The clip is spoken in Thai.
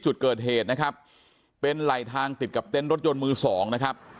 จุดเกิดเหตุนะครับเป็นไหลทางติดกับเต็นต์รถยนต์มือสองนะครับ